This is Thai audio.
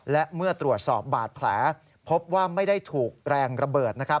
และเมื่อตรวจสอบบาดแผลพบว่าไม่ได้ถูกแรงระเบิด